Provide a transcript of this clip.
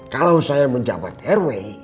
kalau saya menjabat rw